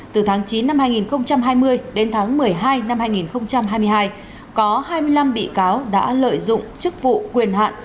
từ tháng chín năm hai nghìn hai mươi đến tháng một mươi hai năm hai nghìn hai mươi hai có hai mươi năm bị cáo đã lợi dụng chức vụ quyền hạn